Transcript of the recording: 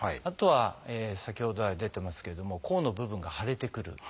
あとは先ほど来出てますけれども甲の部分が腫れてくる。